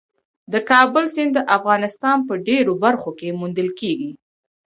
د کابل سیند د افغانستان په ډېرو برخو کې موندل کېږي.